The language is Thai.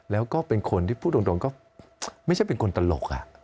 แล้วก็เป็นคนที่พูดตรงก็ไม่ใช่เป็นคนตลก